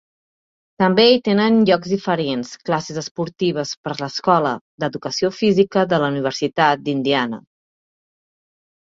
També hi tenen lloc diferents classes esportives per a l'Escola d'Educació Física de la Universitat d'Indiana.